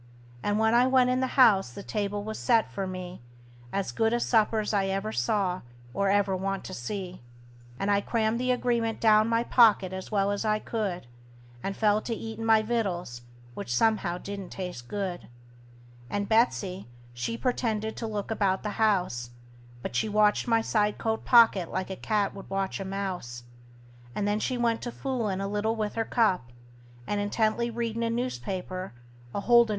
And when I went in the house the table was set for me As good a supper's I ever saw, or ever want to see; And I crammed the agreement down my pocket as well as I could, And fell to eatin' my victuals, which somehow didn't taste good. And Betsey, she pretended to look about the house, But she watched my side coat pocket like a cat would watch a mouse: And then she went to foolin' a little with her cup, And intently readin' a newspaper, a holdin' it wrong side up.